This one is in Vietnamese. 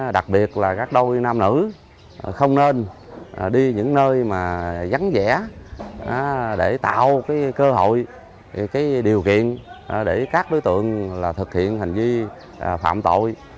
đặc biệt là các đôi nam nữ không nên đi những nơi mà gắn dẻ để tạo cơ hội điều kiện để các đối tượng thực hiện hành vi phạm tội